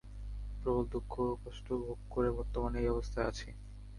প্রবল দুঃখ কষ্ট ভোগ করে বর্তমানে এই অবস্থায় আছি।